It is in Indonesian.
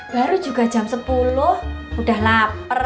baru juga jam sepuluh udah lapar